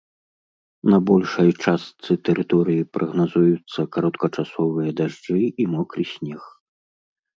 На большай частцы тэрыторыі прагназуюцца кароткачасовыя дажджы і мокры снег.